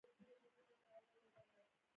ګلان د ماشومانو د لوبو برخه وي.